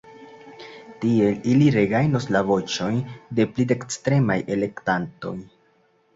Tiel ili regajnos la voĉojn de pli dekstremaj elektantoj.